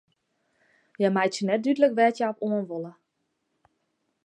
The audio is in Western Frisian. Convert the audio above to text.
Hja meitsje net dúdlik wêr't hja op oan wolle.